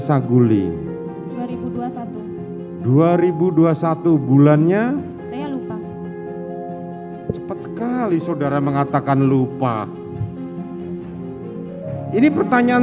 saguling dua ribu dua puluh satu dua ribu dua puluh satu bulannya saya lupa cepat sekali saudara mengatakan lupa ini pertanyaan